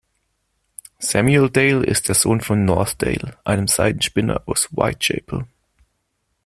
Samuel Dale ist der Sohn von North Dale, einem Seidenspinner aus Whitechapel.